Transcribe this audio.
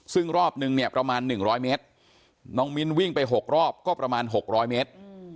ซึ่งรอบนึงเนี่ยประมาณ๑๐๐เมตรน้องมิ้นวิ่งไป๖รอบก็ประมาณ๖๐๐เมตร